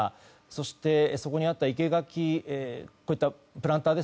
そして、そこにあった生け垣といったプランター。